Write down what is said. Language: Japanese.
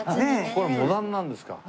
これモダンなんですか？